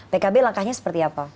pkb langkahnya seperti apa